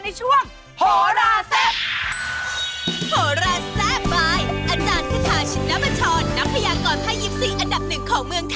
พี่ถุงอยากมาอัพเดทดวงมาก